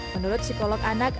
menurut psikolog anak